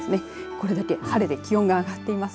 これだけ晴れて気温が上がっています。